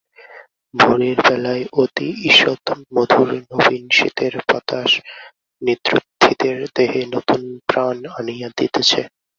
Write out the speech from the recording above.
ভোরের বেলায় অতি ঈষৎ মধুর নবীন শীতের বাতাস নিদ্রোত্থিতের দেহে নূতন প্রাণ আনিয়া দিতেছে।